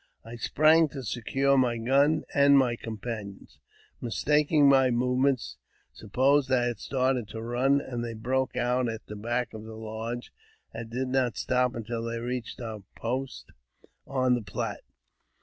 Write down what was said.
I sprang to secure my gun ; and my companions, mistaking my movement, supposed I had started to run, and they broke out at the back of the lodge, and did not stop until they reached our post on the Platte.